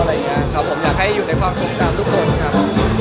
ผมอยากให้อยู่ในความชมกับทุกคนครับ